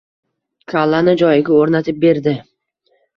Kallani joyiga o‘rnatib berdi.